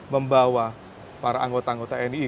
membawa para anggota anggota nii